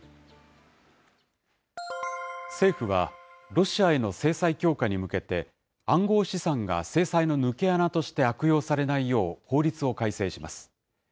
政府は、ロシアへの制裁強化に向けて、暗号資産が制裁の抜け穴として悪用されないよう、法律を改正します。